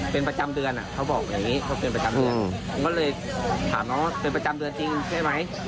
เป็นประจำเดือนก็เลยถามเป็นประจำเดือนจริงใช่ไหม